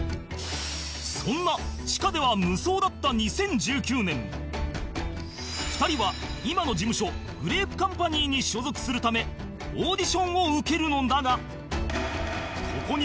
そんな地下では無双だった２０１９年２人は今の事務所グレープカンパニーに所属するためオーディションを受けるのだが